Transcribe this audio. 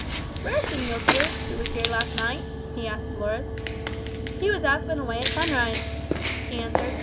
"Where is the muleteer who was here last night?" he asked Dolores. "He was up and away at sunrise," she answered.